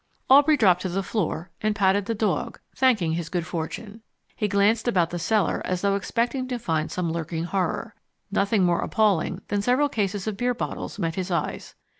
Aubrey dropped to the floor, and patted the dog, thanking his good fortune. He glanced about the cellar as though expecting to find some lurking horror. Nothing more appalling than several cases of beer bottles met his eyes.